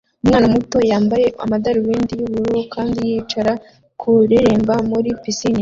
Umwana muto yambaye amadarubindi yubururu kandi yicaye kureremba muri pisine